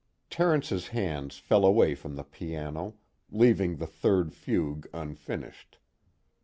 Terence's hands fell away from the piano, leaving the third Fugue unfinished.